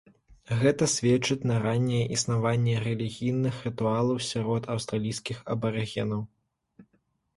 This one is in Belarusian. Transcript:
Гэта сведчыць на ранняе існаванне рэлігійных рытуалаў сярод аўстралійскіх абарыгенаў.